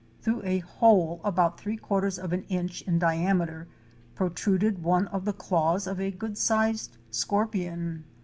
Through a hole, about three quarters of an inch in diameter, protruded one of the claws of a good sized scorpion.